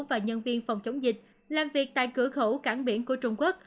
và nhân viên phòng chống dịch làm việc tại cửa khẩu cảng biển của trung quốc